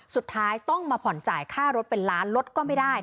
สุดท้ายต้องมาผ่อนจ่ายค่ารถเป็นล้านรถก็ไม่ได้